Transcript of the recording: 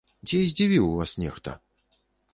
Ці здзівіў вас нехта?